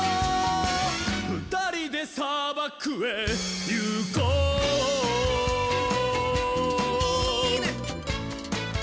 「ふたりでさばくへいこう」イイネ！